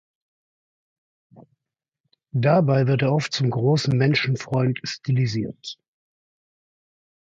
Dabei wird er oft zum großen Menschenfreund stilisiert.